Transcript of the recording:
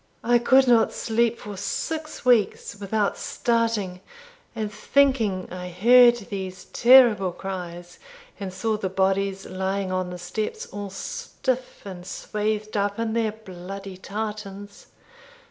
I could not sleep for six weeks without starting and thinking I heard these terrible cries, and saw the bodies lying on the steps, all stiff and swathed up in their bloody tartans.